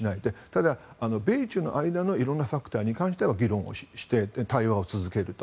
ただ、米中の間のいろんなファクターについては議論して対話を続けると。